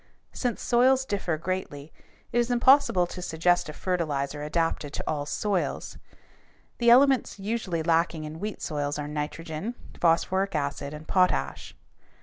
Since soils differ greatly, it is impossible to suggest a fertilizer adapted to all soils. The elements usually lacking in wheat soils are nitrogen, phosphoric acid, and potash.